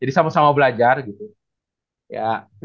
jadi sama sama belajar gitu